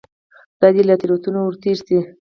خدای یې له تېروتنو ورتېر شي.